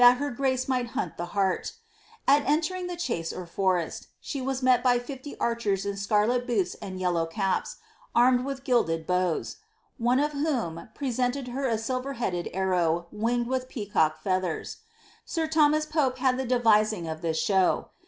her grace might hunt the hart At entering the chase or forest, she met by fifty archers in scarlet boots and yelloir caps, armed with gilded bows ; one of whom presented her a silver headed arrow winged wilh peacock's feathers. Sir Thomas Pope had the devising of this show.